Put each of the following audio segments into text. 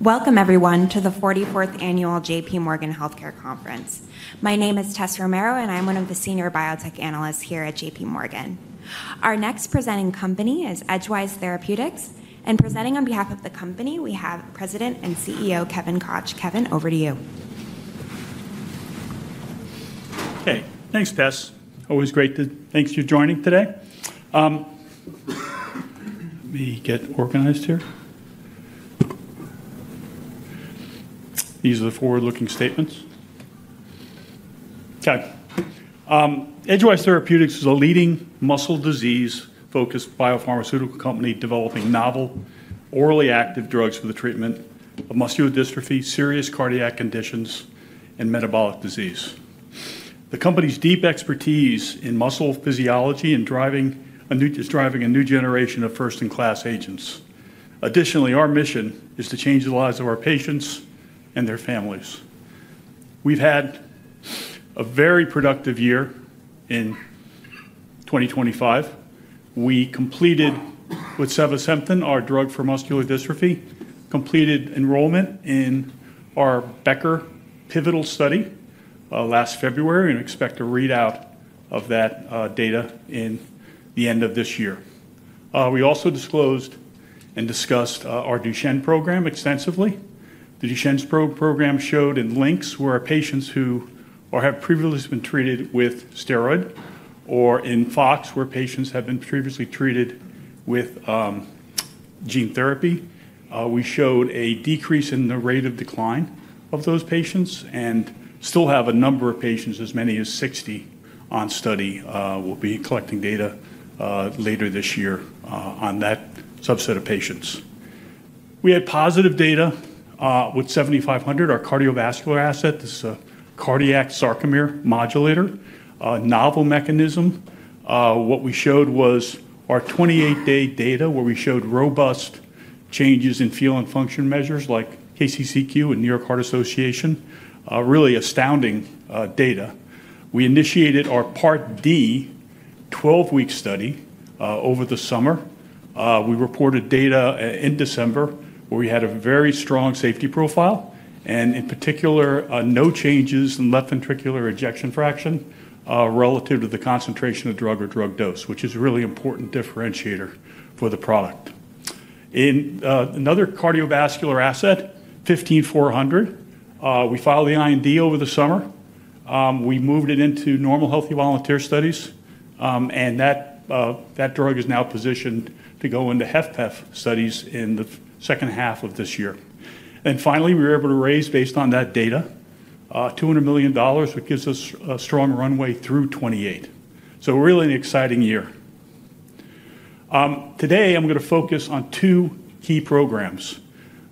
Welcome, everyone, to the 44th Annual J.P. Morgan Healthcare Conference. My name is Tessa Romero, and I'm one of the Senior Biotech Analysts here at J.P. Morgan. Our next presenting company is Edgewise Therapeutics, and presenting on behalf of the company, we have President and CEO Kevin Koch. Kevin, over to you. Okay. Thanks, Tess. Always great to, thanks for joining today. Let me get organized here. These are the forward-looking statements. Okay. Edgewise Therapeutics is a leading muscle disease-focused biopharmaceutical company developing novel orally active drugs for the treatment of muscular dystrophy, serious cardiac conditions, and metabolic disease. The company's deep expertise in muscle physiology is driving a new generation of first-in-class agents. Additionally, our mission is to change the lives of our patients and their families. We've had a very productive year in 2025. We completed with Sevasemten, our drug for muscular dystrophy, completed enrollment in our Becker Pivotal Study last February, and expect a readout of that data at the end of this year. We also disclosed and discussed our Duchenne program extensively. The Duchenne program showed in LYNX where patients who have previously been treated with steroids, or in FOX, where patients have been previously treated with gene therapy. We showed a decrease in the rate of decline of those patients and still have a number of patients, as many as 60 on study. We'll be collecting data later this year on that subset of patients. We had positive data with 7500, our cardiovascular asset. This is a cardiac sarcomere modulator, a novel mechanism. What we showed was our 28-day data, where we showed robust changes in feel and function measures like KCCQ and New York Heart Association. Really astounding data. We initiated our Part D 12-week study over the summer. We reported data in December, where we had a very strong safety profile, and in particular, no changes in left ventricular ejection fraction relative to the concentration of drug or drug dose, which is a really important differentiator for the product. In another cardiovascular asset, 15400, we filed the IND over the summer. We moved it into normal healthy volunteer studies, and that drug is now positioned to go into HFpEF studies in the second half of this year. And finally, we were able to raise, based on that data, $200 million, which gives us a strong runway through 2028. So really an exciting year. Today, I'm going to focus on two key programs: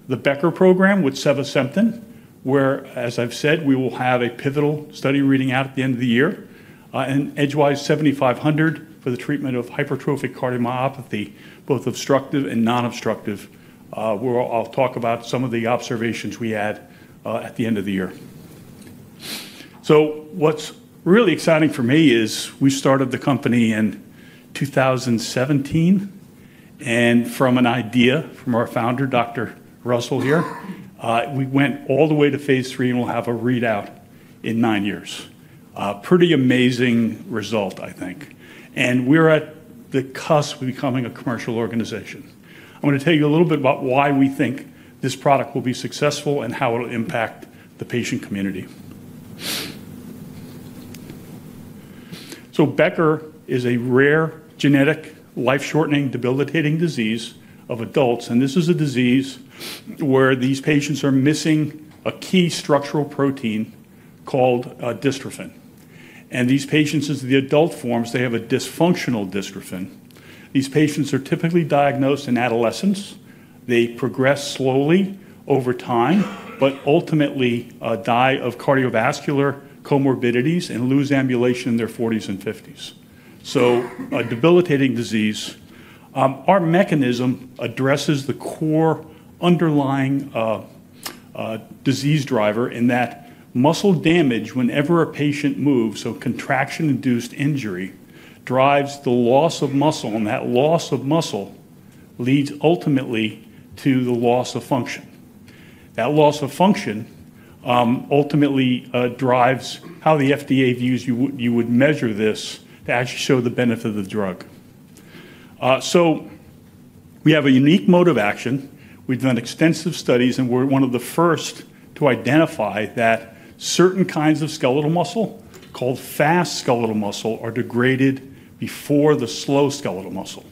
the Becker program with Sevasemten, where, as I've said, we will have a pivotal study reading out at the end of the year, and EDG-7500 for the treatment of hypertrophic cardiomyopathy, both obstructive and non-obstructive, where I'll talk about some of the observations we had at the end of the year. So what's really exciting for me is we started the company in 2017, and from an idea from our founder, Dr. Russell here, we went all the way to Phase 3 and will have a readout in nine years. Pretty amazing result, I think. And we're at the cusp of becoming a commercial organization. I'm going to tell you a little bit about why we think this product will be successful and how it'll impact the patient community. So Becker is a rare genetic life-shortening, debilitating disease of adults. And this is a disease where these patients are missing a key structural protein called dystrophin. And these patients, as the adult forms, they have a dysfunctional dystrophin. These patients are typically diagnosed in adolescence. They progress slowly over time, but ultimately die of cardiovascular comorbidities and lose ambulation in their 40s and 50s. So a debilitating disease. Our mechanism addresses the core underlying disease driver in that muscle damage, whenever a patient moves, so contraction-induced injury, drives the loss of muscle. And that loss of muscle leads ultimately to the loss of function. That loss of function ultimately drives how the FDA views you would measure this to actually show the benefit of the drug. So we have a unique mode of action. We've done extensive studies, and we're one of the first to identify that certain kinds of skeletal muscle called fast skeletal muscle are degraded before the slow skeletal muscle.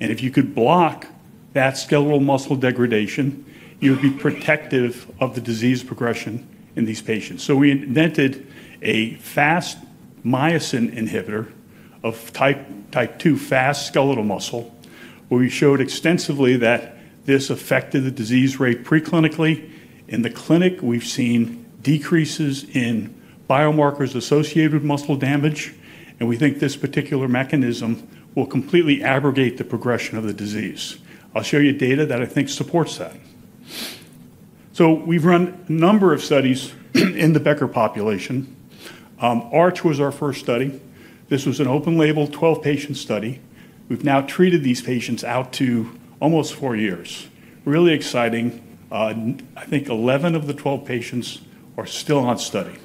And if you could block that skeletal muscle degradation, you would be protective of the disease progression in these patients. So we invented a fast myosin inhibitor of type 2 fast skeletal muscle, where we showed extensively that this affected the disease rate preclinically. In the clinic, we've seen decreases in biomarkers associated with muscle damage, and we think this particular mechanism will completely arrest the progression of the disease. I'll show you data that I think supports that. We've run a number of studies in the Becker population. ARCH was our first study. This was an open-label 12-patient study. We've now treated these patients out to almost four years. Really exciting. I think 11 of the 12 patients are still on study.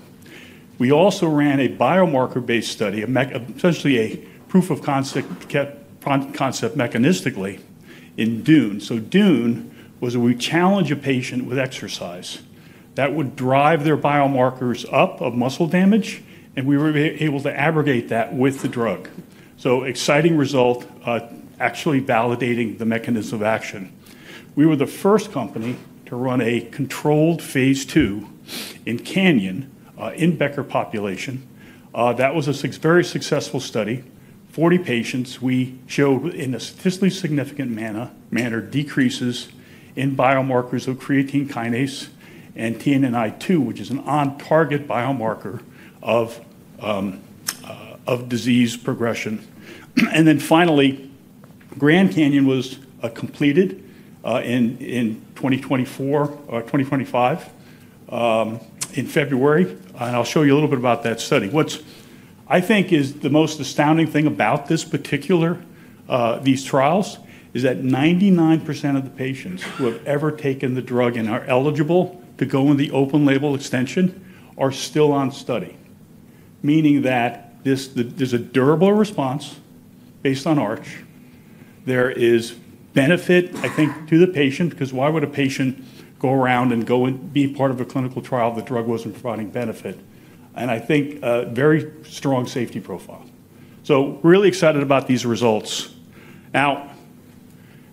We also ran a biomarker-based study, essentially a proof of concept mechanistically, in DUNE. Dune was where we challenge a patient with exercise. That would drive their biomarkers up of muscle damage, and we were able to aggregate that with the drug. Exciting result, actually validating the mechanism of action. We were the first company to run a controlled Phase 2 in CANYON in Becker population. That was a very successful study. 40 patients. We showed in a statistically significant manner decreases in biomarkers of creatine kinase and TNNI2, which is an on-target biomarker of disease progression. Grand Canyon was completed in 2024, 2025, in February. I'll show you a little bit about that study. What I think is the most astounding thing about these trials is that 99% of the patients who have ever taken the drug and are eligible to go in the open-label extension are still on study, meaning that there's a durable response based on ARCH. There is benefit, I think, to the patient, because why would a patient go around and go and be part of a clinical trial if the drug wasn't providing benefit? I think a very strong safety profile. Really excited about these results. Now,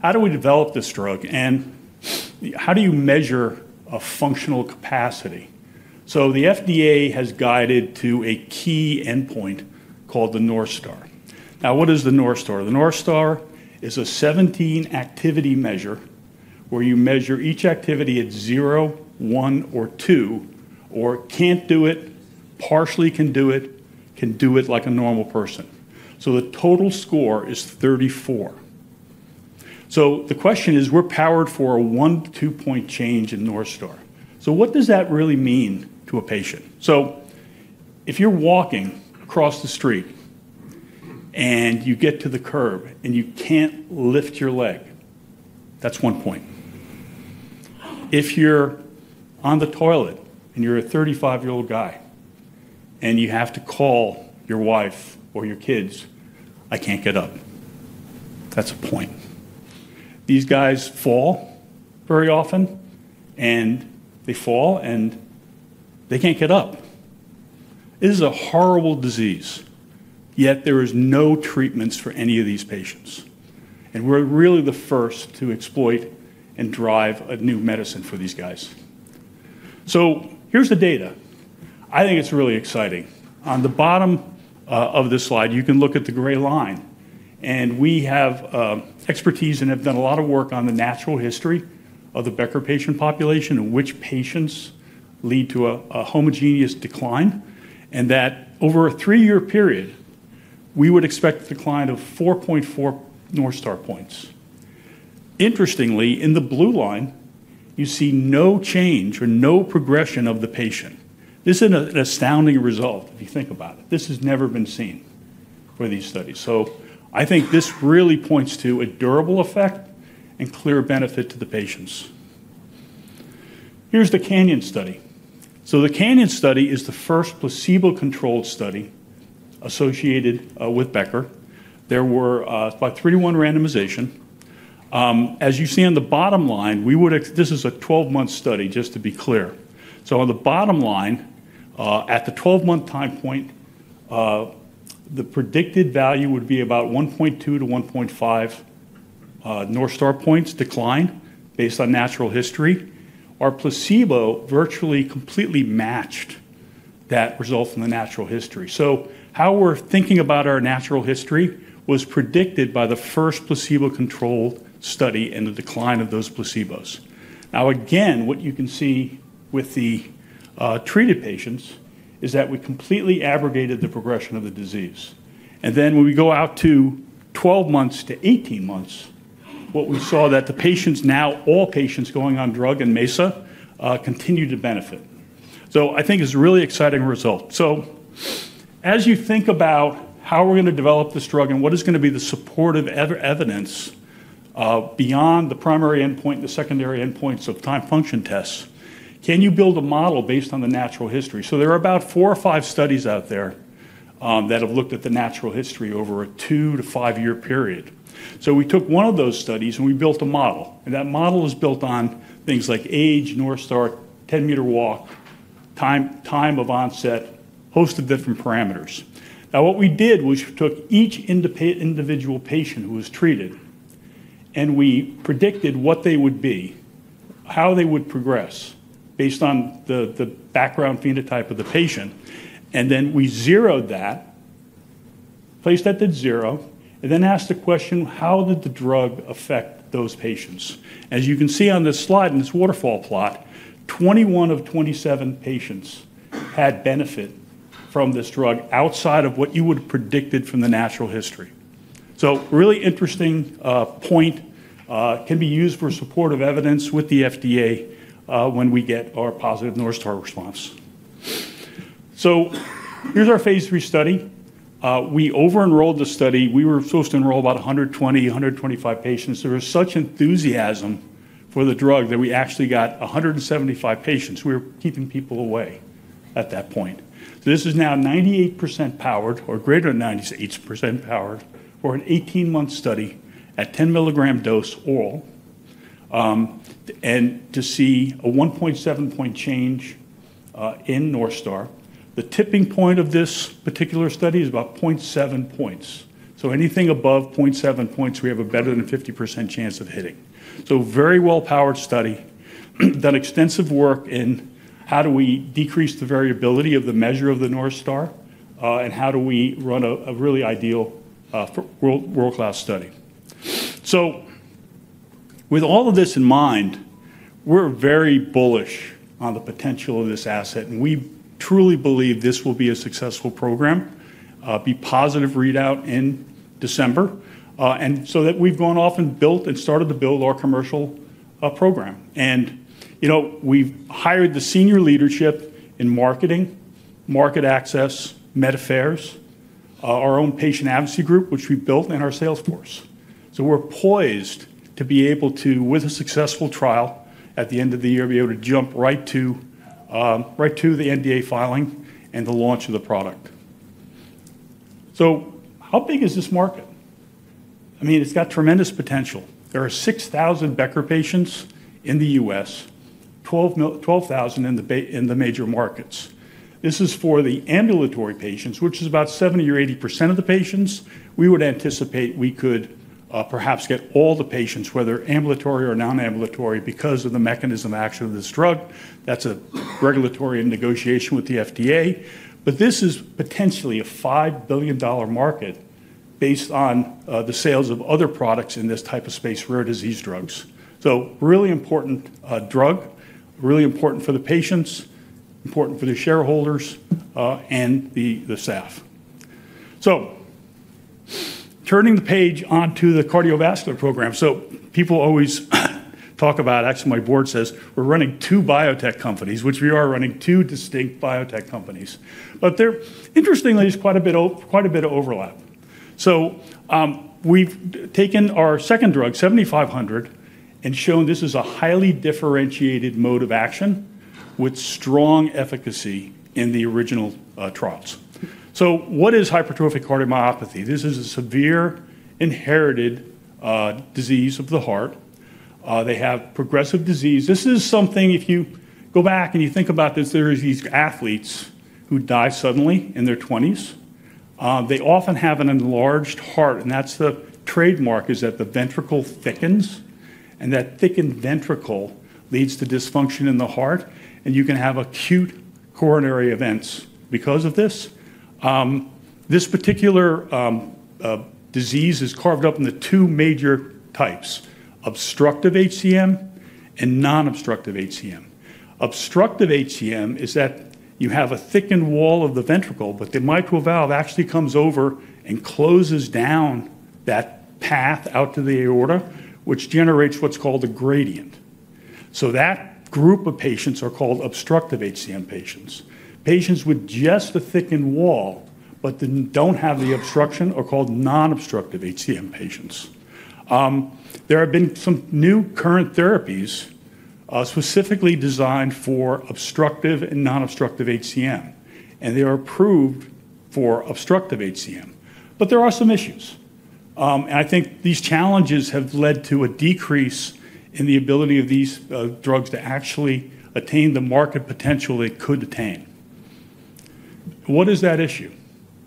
how do we develop this drug? How do you measure a functional capacity? The FDA has guided to a key endpoint called the NorthStar. What is the NorthStar? The North Star is a 17-activity measure where you measure each activity at zero, one, or two, or can't do it, partially can do it, can do it like a normal person. So the total score is 34. So the question is, we're powered for a one-two-point change in North Star. So what does that really mean to a patient? So if you're walking across the street and you get to the curb and you can't lift your leg, that's one point. If you're on the toilet and you're a 35-year-old guy and you have to call your wife or your kids, I can't get up. That's a point. These guys fall very often, and they fall and they can't get up. This is a horrible disease, yet there are no treatments for any of these patients, and we're really the first to exploit and drive a new medicine for these guys. So here's the data. I think it's really exciting. On the bottom of this Slide, you can look at the gray line, and we have expertise and have done a lot of work on the natural history of the Becker patient population and which patients lead to a homogeneous decline, and that over a three-year period, we would expect a decline of 4.4 North Star points. Interestingly, in the blue line, you see no change or no progression of the patient. This is an astounding result if you think about it. This has never been seen for these studies, so I think this really points to a durable effect and clear benefit to the patients. Here's the Canyon study, so the Canyon study is the first placebo-controlled study associated with Becker. There were about 31 randomizations. As you see on the bottom line, this is a 12-month study, just to be clear. So on the bottom line, at the 12-month time point, the predicted value would be about 1.2-1.5 North Star points decline based on natural history. Our placebo virtually completely matched that result in the natural history. So how we're thinking about our natural history was predicted by the first placebo-controlled study and the decline of those placebos. Now, again, what you can see with the treated patients is that we completely aggregated the progression of the disease. And then when we go out to 12-18 months, what we saw that the patients, now all patients going on drug and en masse, continued to benefit. So I think it's a really exciting result. As you think about how we're going to develop this drug and what is going to be the supportive evidence beyond the primary endpoint and the secondary endpoints of time function tests, can you build a model based on the natural history? There are about four or five studies out there that have looked at the natural history over a two to five-year period. We took one of those studies and we built a model. That model is built on things like age, North Star, 10-meter walk, time of onset, a host of different parameters. Now, what we did was we took each individual patient who was treated and we predicted what they would be, how they would progress based on the background phenotype of the patient. And then we zeroed that, placed that at zero, and then asked the question, how did the drug affect those patients? As you can see on this Slide in this waterfall plot, 21 of 27 patients had benefit from this drug outside of what you would have predicted from the natural history. So really interesting point can be used for supportive evidence with the FDA when we get our positive North Star response. So here's our Phase 3 study. We over-enrolled the study. We were supposed to enroll about 120, 125 patients. There was such enthusiasm for the drug that we actually got 175 patients. We were keeping people away at that point. So this is now 98% powered or greater than 98% powered for an 18-month study at 10-milligram dose oral. And to see a 1.7-point change in North Star. The tipping point of this particular study is about 0.7 points. So anything above 0.7 points, we have a better than 50% chance of hitting. So very well-powered study. Done extensive work in how do we decrease the variability of the measure of the North Star and how do we run a really ideal world-class study. So with all of this in mind, we're very bullish on the potential of this asset. And we truly believe this will be a successful program, be positive readout in December, and so that we've gone off and built and started to build our commercial program. And we've hired the senior leadership in marketing, market access, med affairs, our own patient advocacy group, which we built in our sales force. So we're poised to be able to, with a successful trial at the end of the year, be able to jump right to the NDA filing and the launch of the product. So how big is this market? I mean, it's got tremendous potential. There are 6,000 Becker patients in the U.S., 12,000 in the major markets. This is for the ambulatory patients, which is about 70% or 80% of the patients. We would anticipate we could perhaps get all the patients, whether ambulatory or non-ambulatory, because of the mechanism of action of this drug. That's a regulatory negotiation with the FDA. But this is potentially a $5 billion market based on the sales of other products in this type of space, rare disease drugs. So really important drug, really important for the patients, important for the shareholders and the staff. So turning the page onto the cardiovascular program. So people always talk about, actually, my board says, we're running two biotech companies, which we are running two distinct biotech companies. But interestingly, there's quite a bit of overlap. So we've taken our second drug, 7500, and shown this is a highly differentiated mode of action with strong efficacy in the original trials. So what is hypertrophic cardiomyopathy? This is a severe inherited disease of the heart. They have progressive disease. This is something if you go back and you think about this, there are these athletes who die suddenly in their 20s. They often have an enlarged heart. And that's the trademark is that the ventricle thickens. And that thickened ventricle leads to dysfunction in the heart. And you can have acute coronary events because of this. This particular disease is carved up into two major types: obstructive HCM and non-obstructive HCM. Obstructive HCM is that you have a thickened wall of the ventricle, but the mitral valve actually comes over and closes down that path out to the aorta, which generates what's called a gradient. That group of patients are called obstructive HCM patients. Patients with just a thickened wall but don't have the obstruction are called non-obstructive HCM patients. There have been some new current therapies specifically designed for obstructive and non-obstructive HCM. They are approved for obstructive HCM. There are some issues. I think these challenges have led to a decrease in the ability of these drugs to actually attain the market potential they could attain. What is that issue?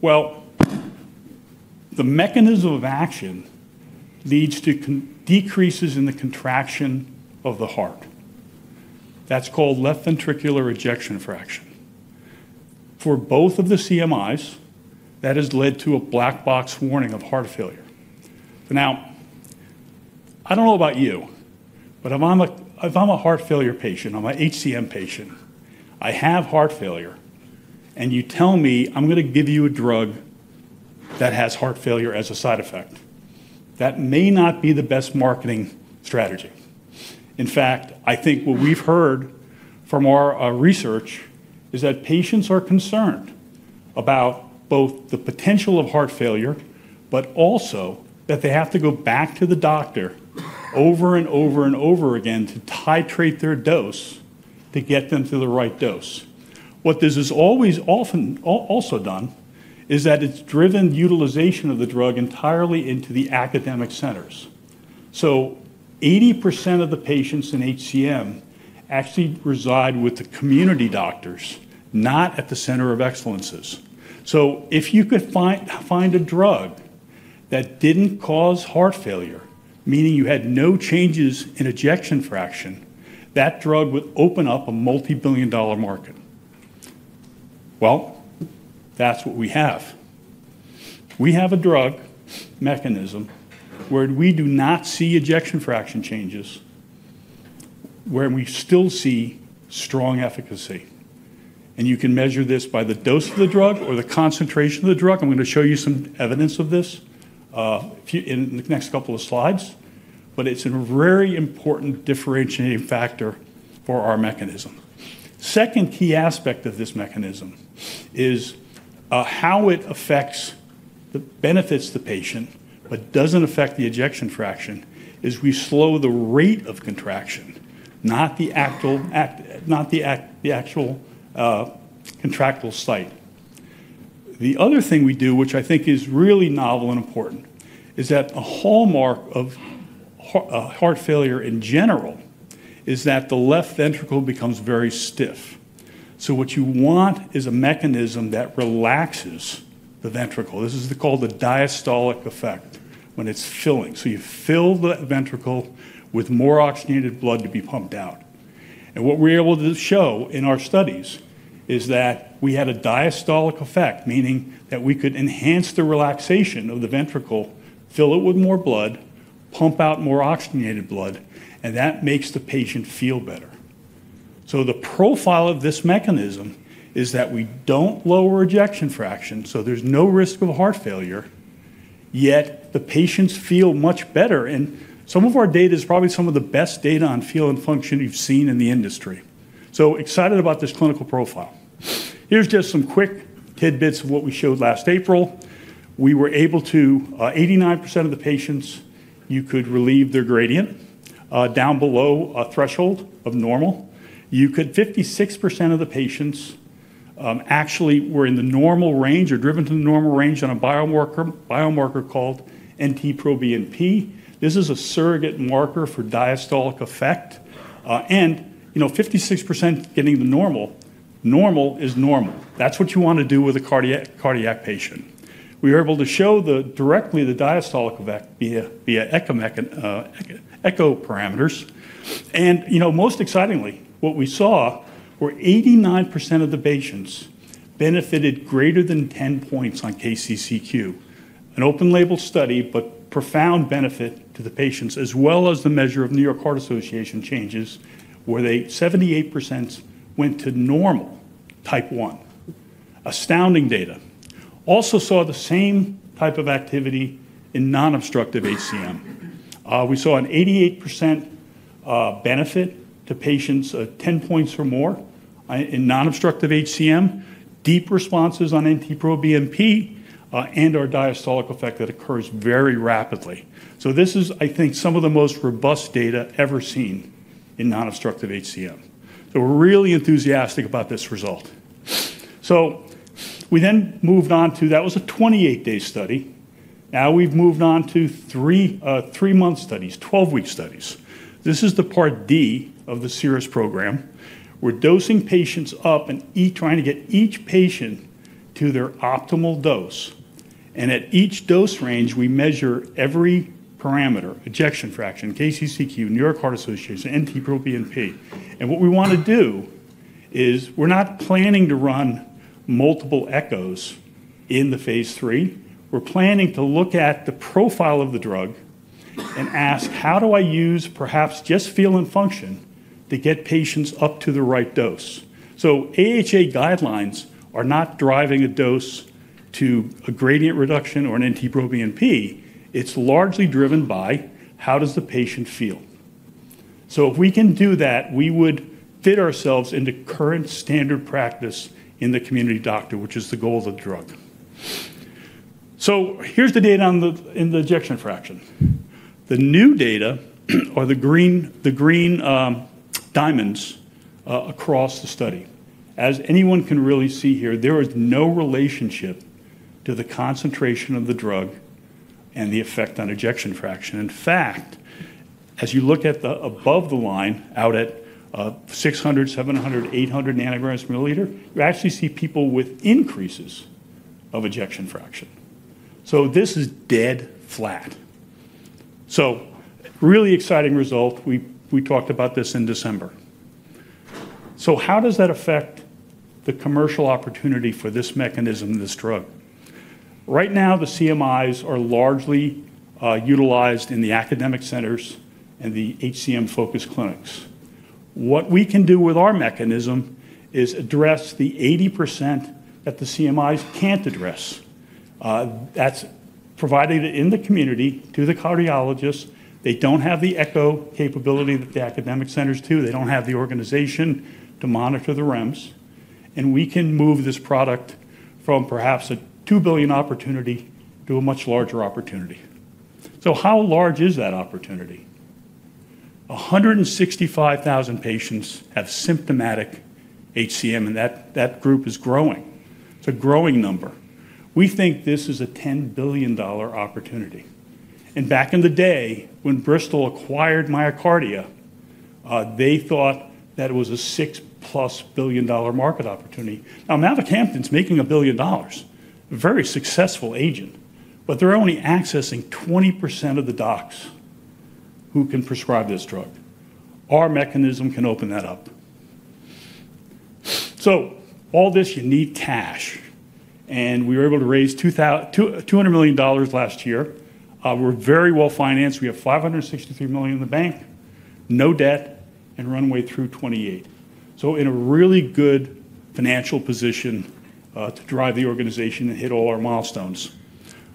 The mechanism of action leads to decreases in the contraction of the heart. That's called left ventricular ejection fraction. For both of the CMIs, that has led to a black box warning of heart failure. Now, I don't know about you, but if I'm a heart failure patient, I'm an HCM patient, I have heart failure, and you tell me I'm going to give you a drug that has heart failure as a side effect, that may not be the best marketing strategy. In fact, I think what we've heard from our research is that patients are concerned about both the potential of heart failure, but also that they have to go back to the doctor over and over and over again to titrate their dose to get them to the right dose. What this is always often also done is that it's driven utilization of the drug entirely into the academic centers. So 80% of the patients in HCM actually reside with the community doctors, not at the centers of excellence. So if you could find a drug that didn't cause heart failure, meaning you had no changes in ejection fraction, that drug would open up a multi-billion dollar market. Well, that's what we have. We have a drug mechanism where we do not see ejection fraction changes, where we still see strong efficacy. And you can measure this by the dose of the drug or the concentration of the drug. I'm going to show you some evidence of this in the next couple of Slides. But it's a very important differentiating factor for our mechanism. Second key aspect of this mechanism is how it affects the benefits to the patient, but doesn't affect the ejection fraction, is we slow the rate of contraction, not the actual contractile site. The other thing we do, which I think is really novel and important, is that a hallmark of heart failure in general is that the left ventricle becomes very stiff, so what you want is a mechanism that relaxes the ventricle. This is called the diastolic effect when it's filling, so you fill the ventricle with more oxygenated blood to be pumped out, and what we're able to show in our studies is that we had a diastolic effect, meaning that we could enhance the relaxation of the ventricle, fill it with more blood, pump out more oxygenated blood, and that makes the patient feel better, so the profile of this mechanism is that we don't lower ejection fraction, so there's no risk of heart failure, yet the patients feel much better. And some of our data is probably some of the best data on feel and function you've seen in the industry. So excited about this clinical profile. Here's just some quick tidbits of what we showed last April. We were able to 89% of the patients, you could relieve their gradient down below a threshold of normal. You could 56% of the patients actually were in the normal range or driven to the normal range on a biomarker called NT-proBNP. This is a surrogate marker for diastolic effect. And 56% getting the normal, normal is normal. That's what you want to do with a cardiac patient. We were able to show directly the diastolic effect via echo-parameters. And most excitingly, what we saw were 89% of the patients benefited greater than 10 points on KCCQ. An open-label study, but profound benefit to the patients, as well as the measure of New York Heart Association changes, where 78% went to normal type 1. Astounding data. Also saw the same type of activity in non-obstructive HCM. We saw an 88% benefit to patients, 10 points or more in non-obstructive HCM, deep responses on NT-proBNP, and our diastolic effect that occurs very rapidly. So this is, I think, some of the most robust data ever seen in non-obstructive HCM. So we're really enthusiastic about this result. So we then moved on to that was a 28-day study. Now we've moved on to three-month studies, 12-week studies. This is the Part D of the CIRRUS-HCM program. We're dosing patients up and trying to get each patient to their optimal dose. And at each dose range, we measure every parameter, ejection fraction, KCCQ, New York Heart Association, NT-proBNP. What we want to do is we're not planning to run multiple echoes in the Phase 3. We're planning to look at the profile of the drug and ask, how do I use perhaps just feel and function to get patients up to the right dose? So AHA guidelines are not driving a dose to a gradient reduction or an NT-proBNP. It's largely driven by how does the patient feel. So if we can do that, we would fit ourselves into current standard practice in the community, doctor, which is the goal of the drug. So here's the data in the ejection fraction. The new data are the green diamonds across the study. As anyone can really see here, there is no relationship to the concentration of the drug and the effect on ejection fraction. In fact, as you look at the above the line out at 600, 700, 800 nanograms per milliliter, you actually see people with increases of ejection fraction. So this is dead flat. So really exciting result. We talked about this in December. So how does that affect the commercial opportunity for this mechanism, this drug? Right now, the CMIs are largely utilized in the academic centers and the HCM-focused clinics. What we can do with our mechanism is address the 80% that the CMIs can't address. That's provided in the community to the cardiologists. They don't have the echo capability that the academic centers do. They don't have the organization to monitor the REMs. And we can move this product from perhaps a $2 billion opportunity to a much larger opportunity. So how large is that opportunity? 165,000 patients have symptomatic HCM, and that group is growing. It's a growing number. We think this is a $10 billion opportunity. Back in the day when Bristol acquired Myocardial, they thought that it was a $6+ billion market opportunity. Now, Mavacamten's making a billion dollars, a very successful agent. But they're only accessing 20% of the docs who can prescribe this drug. Our mechanism can open that up. So all this, you need cash. We were able to raise $200 million last year. We're very well financed. We have $563 million in the bank, no debt, and runway through 2028. We're in a really good financial position to drive the organization and hit all our milestones.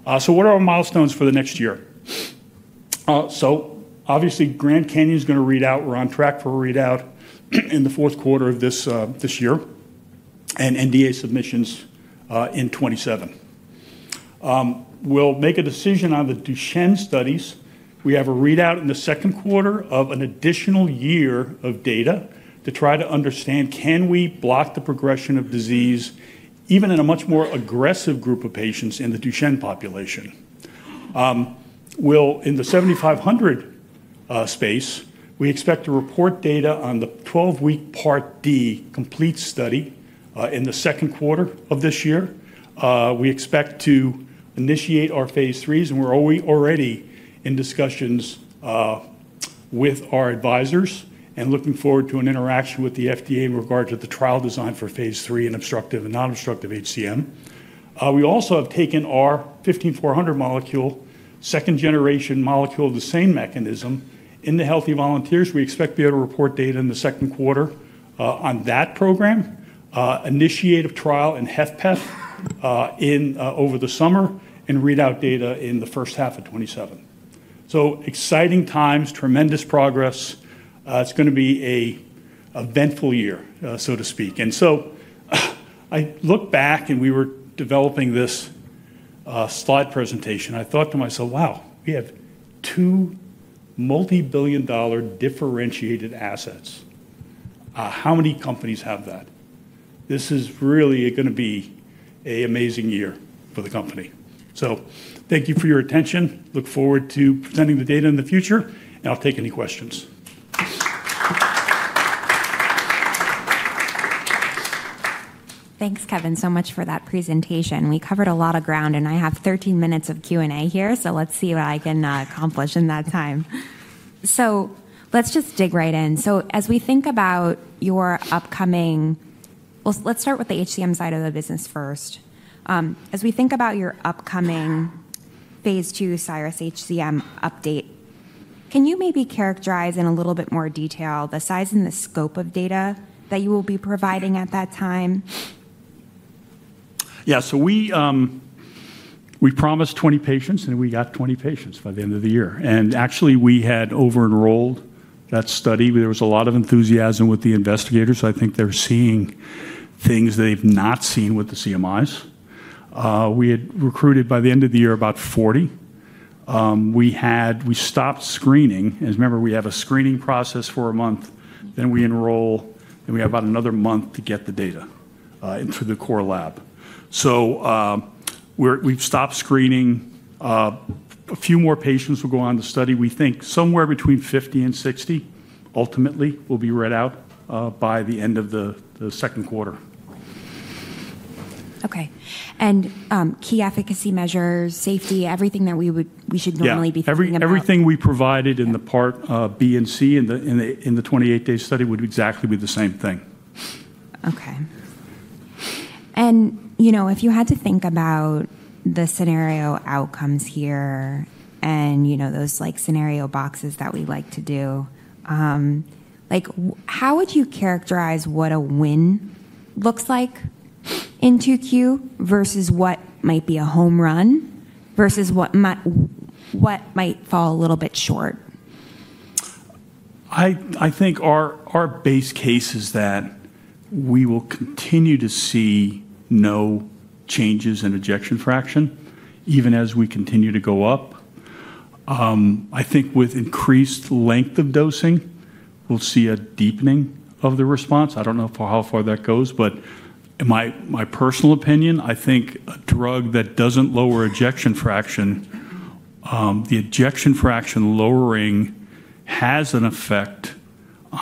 What are our milestones for the next year? Obviously, Grand Canyon is going to read out. We're on track for a readout in the fourth quarter of this year and NDA submissions in 2027. We'll make a decision on the Duchenne studies. We have a readout in the second quarter of an additional year of data to try to understand, can we block the progression of disease even in a much more aggressive group of patients in the Duchenne population? In the 7500 space, we expect to report data on the 12-week part D complete study in the second quarter of this year. We expect to initiate our Phase 3s, and we're already in discussions with our advisors and looking forward to an interaction with the FDA in regards to the trial design for Phase 3 in obstructive and non-obstructive HCM. We also have taken our 15400 molecule, second-generation molecule of the same mechanism in the healthy volunteers. We expect to be able to report data in the second quarter on that program, initiate a trial in HFpEF over the summer, and read out data in the first half of 2027. So exciting times, tremendous progress. It's going to be an eventful year, so to speak. And so I look back, and we were developing this Slide presentation. I thought to myself, "Wow, we have two multi-billion dollar differentiated assets. How many companies have that?" This is really going to be an amazing year for the company. So thank you for your attention. Look forward to presenting the data in the future, and I'll take any questions. Thanks, Kevin, so much for that presentation. We covered a lot of ground, and I have 13 minutes of Q&A here, so let's see what I can accomplish in that time. So let's just dig right in. So as we think about your upcoming well, let's start with the HCM side of the business first. As we think about your upcoming Phase 2 CIRRUS-HCM update, can you maybe characterize in a little bit more detail the size and the scope of data that you will be providing at that time? Yeah. So we promised 20 patients, and we got 20 patients by the end of the year. And actually, we had over-enrolled that study. There was a lot of enthusiasm with the investigators. I think they're seeing things they've not seen with the CMIs. We had recruited by the end of the year about 40. We stopped screening. As you remember, we have a screening process for a month, then we enroll, then we have about another month to get the data into the core lab. So we've stopped screening. A few more patients will go on the study. We think somewhere between 50 and 60 ultimately will be read out by the end of the second quarter. Okay. And key efficacy measures, safety, everything that we should normally be thinking about. Yeah. Everything we provided in the Part B and C in the 28-day study would exactly be the same thing. Okay. And if you had to think about the scenario outcomes here and those scenario boxes that we like to do, how would you characterize what a win looks like in 2Q versus what might be a home run versus what might fall a little bit short? I think our base case is that we will continue to see no changes in ejection fraction even as we continue to go up. I think with increased length of dosing, we'll see a deepening of the response. I don't know how far that goes, but in my personal opinion, I think a drug that doesn't lower ejection fraction, the ejection fraction lowering has an effect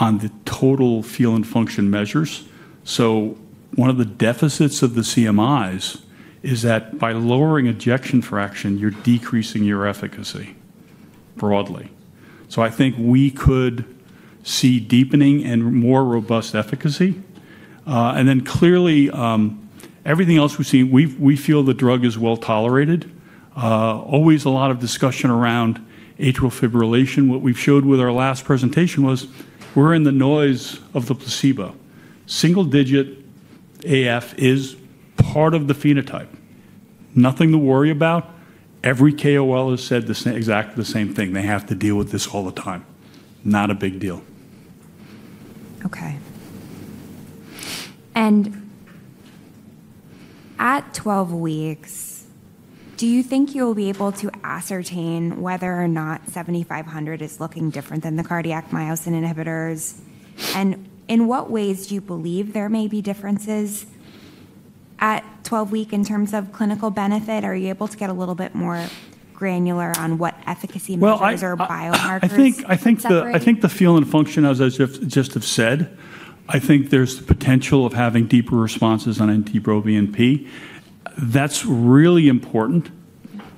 on the total feel and function measures, so one of the deficits of the CMIs is that by lowering ejection fraction, you're decreasing your efficacy broadly, so I think we could see deepening and more robust efficacy, and then clearly, everything else we've seen, we feel the drug is well tolerated. Always a lot of discussion around atrial fibrillation. What we've showed with our last presentation was we're in the noise of the placebo. Single-digit AF is part of the phenotype. Nothing to worry about. Every KOL has said exactly the same thing. They have to deal with this all the time. Not a big deal. Okay. And at 12 weeks, do you think you'll be able to ascertain whether or not 7500 is looking different than the cardiac myosin inhibitors? And in what ways do you believe there may be differences at 12-week in terms of clinical benefit? Are you able to get a little bit more granular on what efficacy measures or biomarkers? I think the feel and function, as I just have said, I think there's the potential of having deeper responses on NT-proBNP. That's really important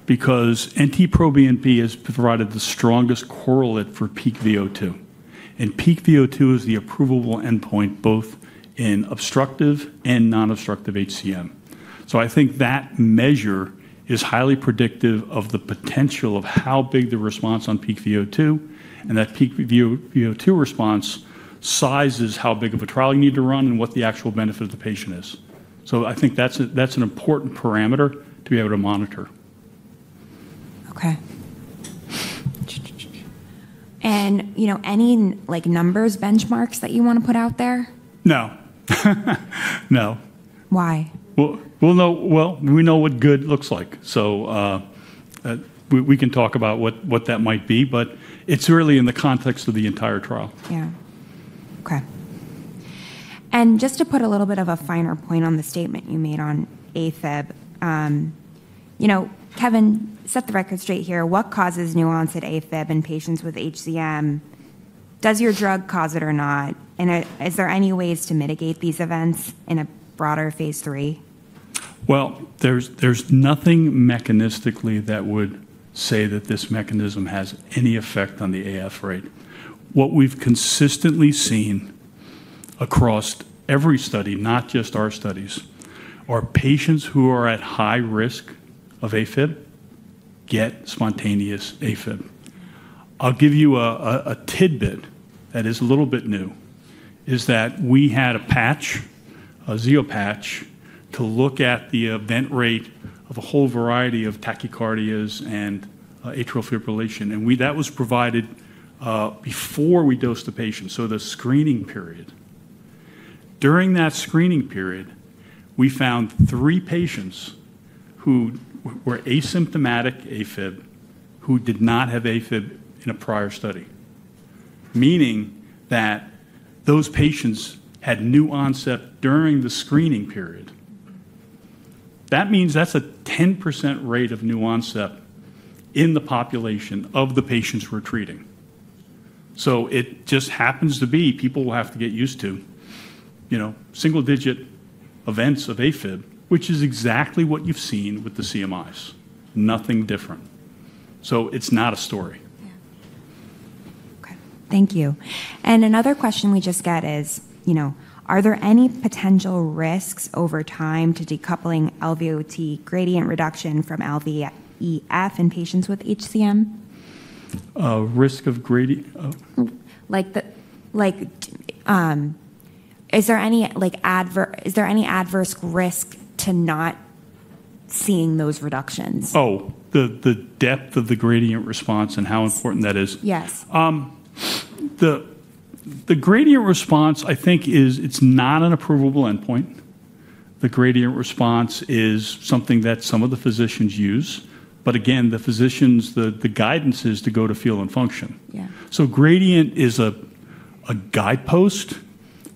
because NT-proBNP has provided the strongest correlate for peak VO2, and peak VO2 is the approvable endpoint both in obstructive and non-obstructive HCM, so I think that measure is highly predictive of the potential of how big the response on peak VO2 and that peak VO2 response sizes how big of a trial you need to run and what the actual benefit of the patient is, so I think that's an important parameter to be able to monitor. Okay. And any numbers, benchmarks that you want to put out there? No. No. Why? We know what good looks like. We can talk about what that might be, but it's really in the context of the entire trial. Yeah. Okay. And just to put a little bit of a finer point on the statement you made on AFib, Kevin, set the record straight here. What causes nuanced AFib in patients with HCM? Does your drug cause it or not? And is there any ways to mitigate these events in a broader Phase 3? There's nothing mechanistically that would say that this mechanism has any effect on the AF rate. What we've consistently seen across every study, not just our studies, are patients who are at high risk of AFib get spontaneous AFib. I'll give you a tidbit that is a little bit new, is that we had a patch, a Zio patch, to look at the event rate of a whole variety of tachycardias and atrial fibrillation. That was provided before we dosed the patient, so the screening period. During that screening period, we found three patients who were asymptomatic AFib who did not have AFib in a prior study, meaning that those patients had new onset during the screening period. That means that's a 10% rate of new onset in the population of the patients we're treating. So it just happens to be people will have to get used to single-digit events of AFib, which is exactly what you've seen with the CMIs, nothing different. So it's not a story. Yeah. Okay. Thank you. And another question we just got is, are there any potential risks over time to decoupling LVOT gradient reduction from LVEF in patients with HCM? Risk of gradient? Is there any adverse risk to not seeing those reductions? Oh, the depth of the gradient response and how important that is. Yes. The gradient response, I think, is it's not an approvable endpoint. The gradient response is something that some of the physicians use. But again, the physicians, the guidance is to go to feel and function. So gradient is a guidepost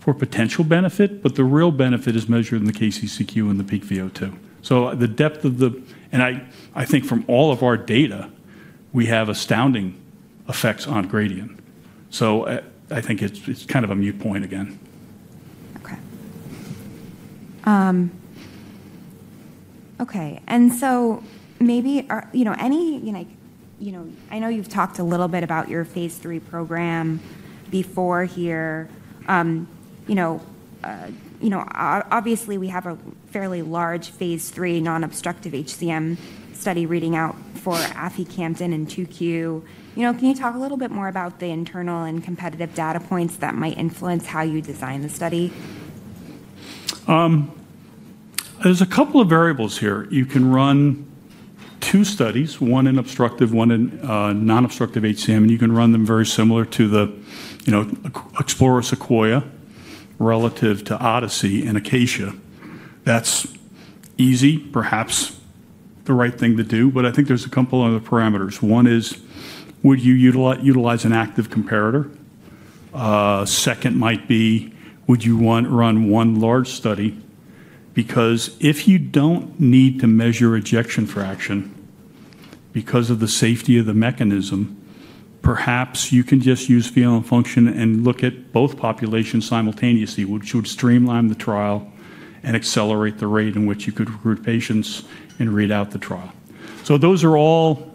for potential benefit, but the real benefit is measured in the KCCQ and the peak VO2. So the depth of the and I think from all of our data, we have astounding effects on gradient. So I think it's kind of a moot point again. Okay. Okay. And so maybe any. I know you've talked a little bit about your Phase 3 program before here. Obviously, we have a fairly large Phase 3 non-obstructive HCM study reading out for Aficamten in 2Q. Can you talk a little bit more about the internal and competitive data points that might influence how you design the study? There's a couple of variables here. You can run two studies, one in obstructive, one in non-obstructive HCM, and you can run them very similar to the EXPLORER SEQUOIA relative to ODYSSEY and ACACIA. That's easy, perhaps the right thing to do, but I think there's a couple of other parameters. One is, would you utilize an active comparator? Second might be, would you run one large study? Because if you don't need to measure ejection fraction because of the safety of the mechanism, perhaps you can just use feel and function and look at both populations simultaneously, which would streamline the trial and accelerate the rate in which you could recruit patients and read out the trial. So those are all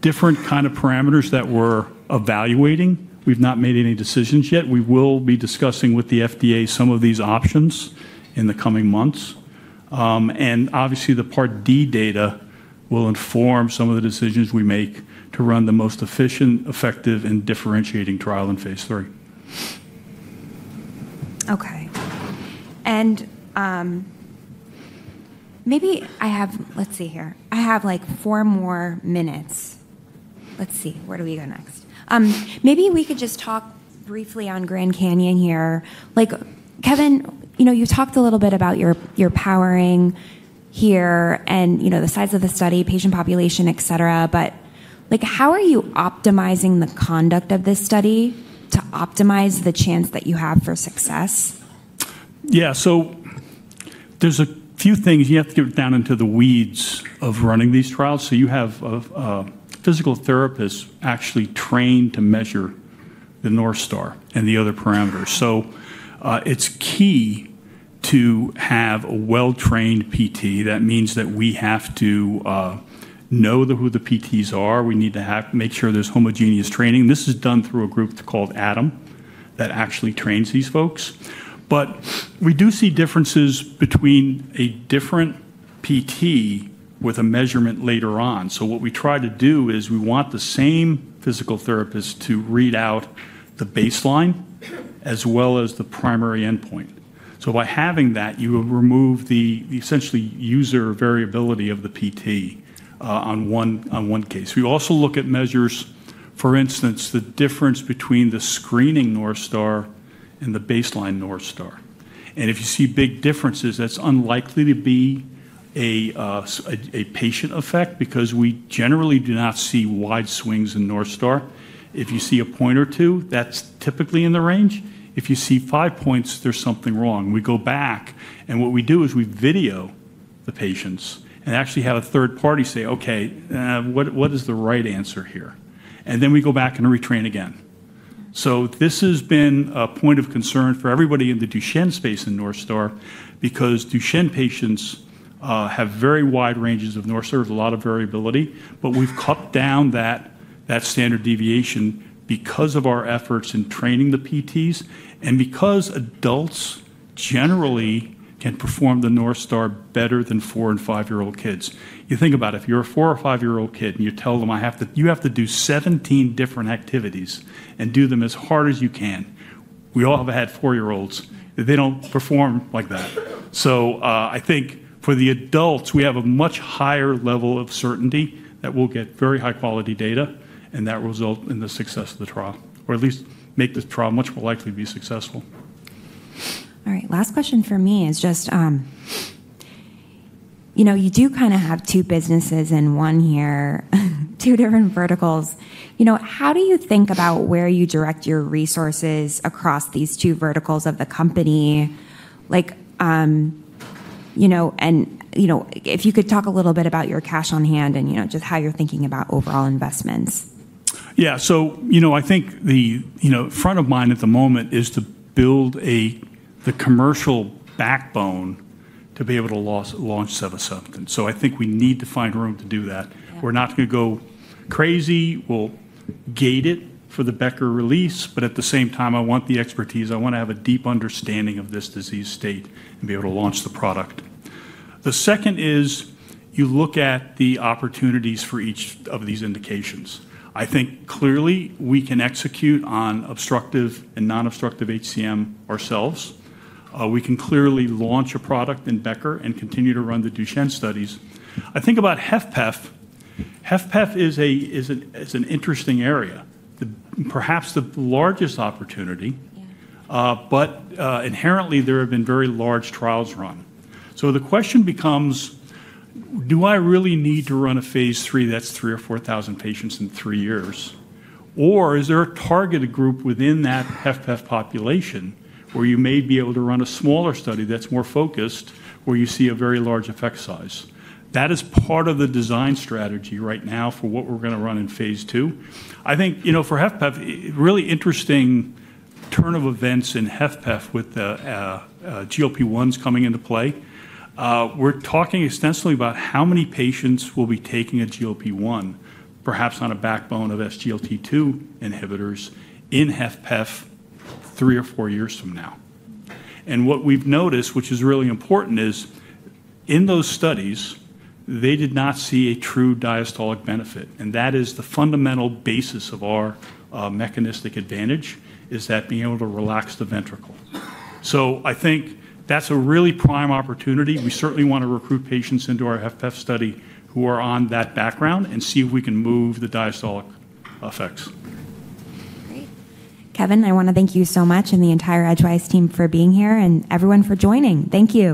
different kinds of parameters that we're evaluating. We've not made any decisions yet. We will be discussing with the FDA some of these options in the coming months. Obviously, the part D data will inform some of the decisions we make to run the most efficient, effective, and differentiating trial in Phase 3. Okay. And maybe I have, let's see here. I have four more minutes. Let's see. Where do we go next? Maybe we could just talk briefly on Grand Canyon here. Kevin, you talked a little bit about your powering here and the size of the study, patient population, etc., but how are you optimizing the conduct of this study to optimize the chance that you have for success? Yeah. So there's a few things. You have to get down into the weeds of running these trials. So you have a physical therapist actually trained to measure the North Star and the other parameters. So it's key to have a well-trained PT. That means that we have to know who the PTs are. We need to make sure there's homogeneous training. This is done through a group called ADAM that actually trains these folks. But we do see differences between a different PT with a measurement later on. So what we try to do is we want the same physical therapist to read out the baseline as well as the primary endpoint. So by having that, you will remove the essentially user variability of the PT on one case. We also look at measures, for instance, the difference between the screening North Star and the baseline North Star. If you see big differences, that's unlikely to be a patient effect because we generally do not see wide swings in North Star. If you see a point or two, that's typically in the range. If you see five points, there's something wrong. We go back, and what we do is we video the patients and actually have a third party say, "Okay, what is the right answer here?" Then we go back and retrain again. This has been a point of concern for everybody in the Duchenne space in North Star because Duchenne patients have very wide ranges of North Star, a lot of variability, but we've cut down that standard deviation because of our efforts in training the PTs and because adults generally can perform the North Star better than four- and five-year-old kids. You think about it. If you're a four or five-year-old kid and you tell them, "You have to do 17 different activities and do them as hard as you can," we all have had four-year-olds. They don't perform like that. So I think for the adults, we have a much higher level of certainty that we'll get very high-quality data, and that will result in the success of the trial, or at least make the trial much more likely to be successful. All right. Last question for me is just you do kind of have two businesses in one here, two different verticals. How do you think about where you direct your resources across these two verticals of the company? And if you could talk a little bit about your cash on hand and just how you're thinking about overall investments? Yeah. So I think the front of mind at the moment is to build the commercial backbone to be able to launch Sevasemten. So I think we need to find room to do that. We're not going to go crazy. We'll gate it for the Becker release, but at the same time, I want the expertise. I want to have a deep understanding of this disease state and be able to launch the product. The second is you look at the opportunities for each of these indications. I think clearly we can execute on obstructive and non-obstructive HCM ourselves. We can clearly launch a product in Becker and continue to run the Duchenne studies. I think about HFpEF. HFpEF is an interesting area, perhaps the largest opportunity, but inherently, there have been very large trials run. So the question becomes, do I really need to run a Phase 3 that's three or four thousand patients in three years, or is there a targeted group within that HFpEF population where you may be able to run a smaller study that's more focused where you see a very large effect size? That is part of the design strategy right now for what we're going to run in Phase 2. I think for HFpEF, really interesting turn of events in HFpEF with the GLP-1s coming into play. We're talking extensively about how many patients will be taking a GLP-1, perhaps on a backbone of SGLT2 inhibitors in HFpEF three or four years from now. And what we've noticed, which is really important, is in those studies, they did not see a true diastolic benefit. And that is the fundamental basis of our mechanistic advantage, is that being able to relax the ventricle. So I think that's a really prime opportunity. We certainly want to recruit patients into our HFpEF study who are on that background and see if we can move the diastolic effects. Great. Kevin, I want to thank you so much and the entire Edgewise team for being here and everyone for joining. Thank you.